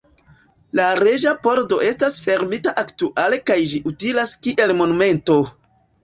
La Reĝa Pordo estas fermita aktuale kaj ĝi utilas kiel monumento.